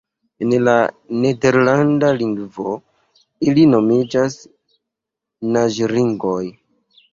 En la nederlanda lingvo ili nomiĝas naĝringoj.